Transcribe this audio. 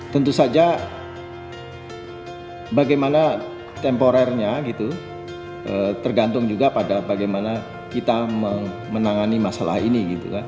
tentu saja bagaimana temporernya gitu tergantung juga pada bagaimana kita menangani masalah ini